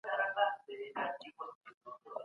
زه هر وخت خپل درسونه لولم.